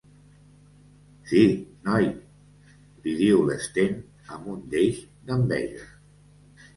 Sí, noi —li diu l'Sten amb un deix d'enveja—.